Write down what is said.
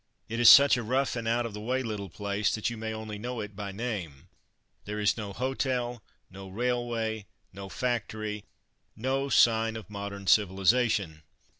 It is such a rough and out of the way little place that you may only know it by name. There is no hotel, no railway, no factory, no sign of modern civilization.